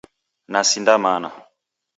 Nasinda mana.